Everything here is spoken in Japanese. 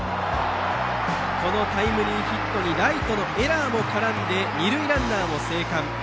このタイムリーヒットにライトのエラーも絡んで二塁ランナーも生還。